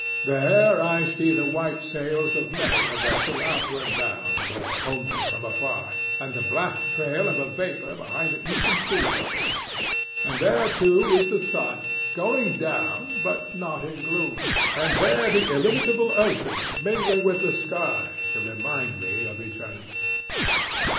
There I see the white sails of many a vessel outward bound or homeward from afar, and the black trail of a vapor behind the Eastern steamboat; there, too, is the sun, going down, but not in gloom, and there the illimitable ocean mingling with the sky, to remind me of eternity.